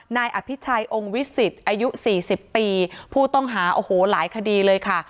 นายอภิชัยองค์วิสิตอายุ๔๐ปีผู้ต้องหาโอ้โหหลายคดีเลยค่ะ